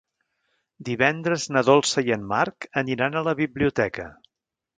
Divendres na Dolça i en Marc aniran a la biblioteca.